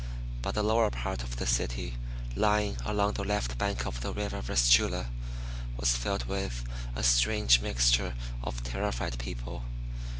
But the lower part of the city, lying along the left bank of the river Vistula, was filled with a strange mixture of terrified people.